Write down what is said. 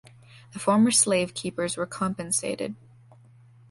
The former slave keepers were compensated.